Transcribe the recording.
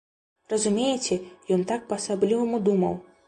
Разумееце, ён так па-асабліваму думаў.